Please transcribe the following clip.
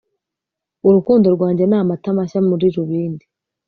urukundo rwanjye ni amata mashya muri rubindi